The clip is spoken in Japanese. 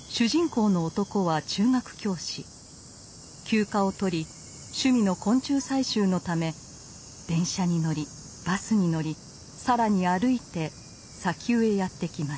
休暇を取り趣味の昆虫採集のため電車に乗りバスに乗り更に歩いて砂丘へやって来ます。